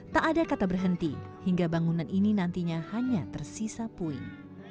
tak ada kata berhenti hingga bangunan ini nantinya hanya tersisa puing